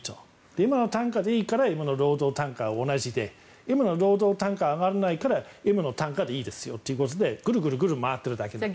今の単価でいいから今の労働単価、同じで今の労働単価が上がらないから今の単価でいいですよとぐるぐる回っているだけなんです。